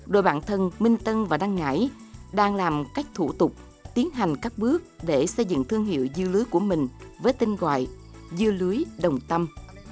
đội bạn thân minh tân và đăng ngãi đang làm các thủ tục tiến hành các bước để xây dựng thương hiệu dưa lưới của mình với tên gọi dưa lưới đồng tâm